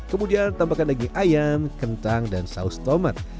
kemudian tambahkan daging ayam kentang dan saus tomat